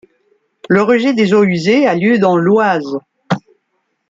Le rejet des eaux usées a lieu dans l'Oise.